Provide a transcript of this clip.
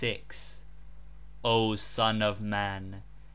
O Son of Man!